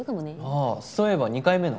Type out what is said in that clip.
ああそういえば２回目の。